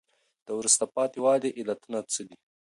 د وروسته پاتي والي علتونه څه دي؟